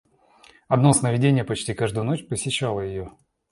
Одно сновиденье почти каждую ночь посещало ее.